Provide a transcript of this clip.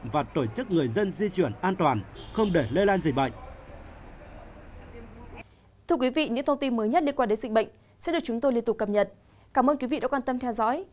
và tổ chức người dân di chuyển an toàn không để lây lan dịch bệnh